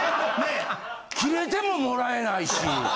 キレてももらえないし。